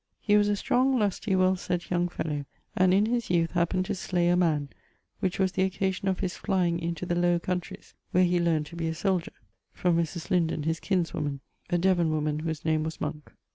He was a strong, lusty, well sett young fellow; and in his youth happened to slay a man[XXVI.], which was the occasion of his flying into the Low countries, where he learned to be a soldier. [XXVI.] From Mʳⁱˢ Linden, his kinswoman, a Devon woman whose name was Monke.